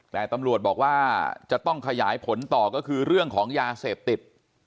แต่ตำรวจบอกว่าจะต้องขยายผลต่อก็คือเรื่องของยาเสพติด